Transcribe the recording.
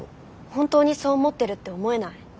本当にそう思ってるって思えない。